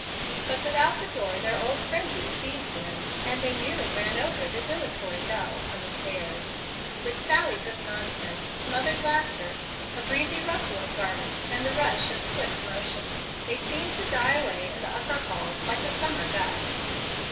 But without the door their old frenzy seized them, and they nearly ran over the dilatory Bel upon the stairs. With sallies of nonsense, smothered laughter, a breezy rustle of garments, and the rush of swift motion, they seemed to die away in the upper halls like a summer gust.